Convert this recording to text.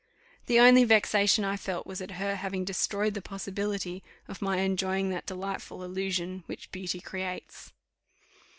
The only vexation I felt was at her having destroyed the possibility of my enjoying that delightful illusion which beauty creates.